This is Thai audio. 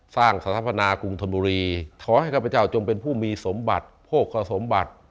สร้างสรรพนากรุงธรรมดุรีขอให้พระเจ้าจงเป็นผู้มีสมบัติโภคสมบัติ